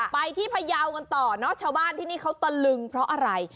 ไปที่พยาวกันต่อเนอะชาวบ้านที่นี่เขาตะลึงเพราะอะไร